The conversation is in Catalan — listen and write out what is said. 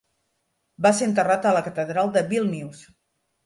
Va ser enterrat a la catedral de Vílnius.